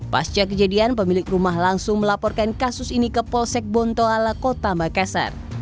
pasca kejadian pemilik rumah langsung melaporkan kasus ini ke polsek bontoala kota makassar